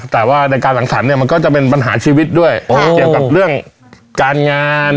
แต่ว่าในการสังสรรค์เนี่ยมันก็จะเป็นปัญหาชีวิตด้วยเกี่ยวกับเรื่องการงาน